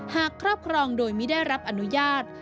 ครอบครองโดยไม่ได้รับอนุญาต